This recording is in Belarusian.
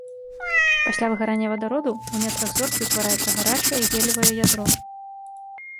Пасля выгарання вадароду ў нетрах зоркі ўтвараецца гарачае геліевае ядро.